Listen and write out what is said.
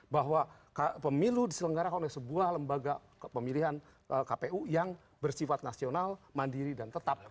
bahwa pemilu diselenggarakan oleh sebuah lembaga pemilihan kpu yang bersifat nasional mandiri dan tetap